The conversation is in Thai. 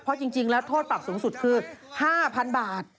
เพราะจริงแล้วโทษปรับสูงสุดคือ๕๐๐๐บาท